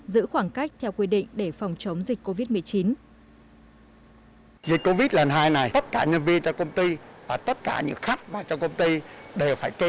giữ khoảng cách theo quy định để phòng chống dịch covid một mươi chín